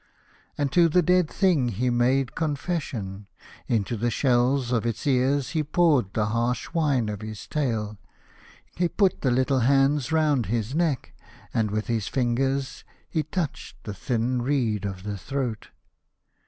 And to the dead thing he made confession. Into the shells of its ears he poured the harsh wine of his tale. He put the little hands round his neck, and with his fingers he 12 2 The Fisherman and his Son l . touched the thin reed of the throat.